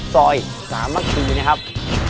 ซอยกามรักชีมีนะครับ